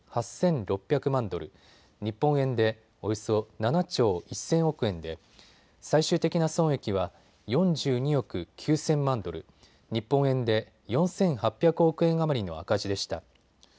ドル、日本円でおよそ７兆１０００億円で最終的な損益は４２億９０００万ドル、日本円で４８００億円余りの赤字でした。